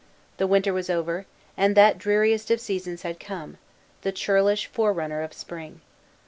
The winter was over, and that dreariest of seasons had come, the churlish forerunner of spring.